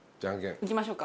いきましょうか。